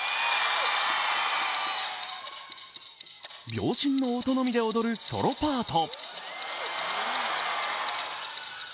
秒針の音のみで踊るソロパート。